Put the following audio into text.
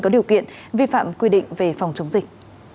có điều kiện vi phạm quy định về phòng chống dịch